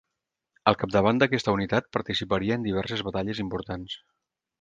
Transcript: Al capdavant d'aquesta unitat participaria en diverses batalles importants.